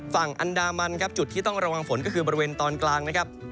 ฝั่งอันดามันจุดที่ต้องระวังฝนก็คือบริเวณตอนกลาง